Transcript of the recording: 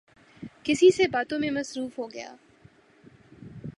کسی سے باتوں میں مصروف ہوگیا